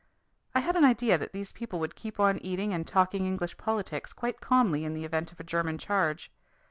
I had an idea that these people would keep on eating and talking English politics quite calmly in the event of a German charge.